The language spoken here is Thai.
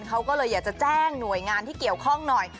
เขาก็เลยอยากจะแจ้งหน่วยงานที่เกี่ยวข้องหน่อย